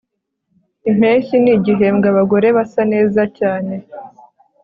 Impeshyi nigihembwe abagore basa neza cyane